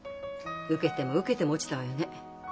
受けても受けても落ちたわよね。